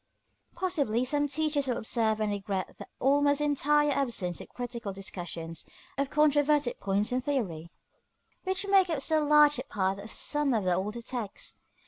Possibly some teachers will observe and regret the almost entire absence of critical discussions of controverted points in theory, which make up so large a part of some of the older texts.